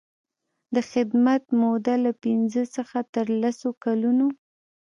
د خدمت موده له پنځه څخه تر لس کلونو.